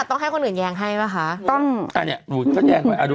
ต้องให้คนอื่นแยงให้ป่ะคะถูกต้องอันนี้หนูฉันแยงไว้อ่าดู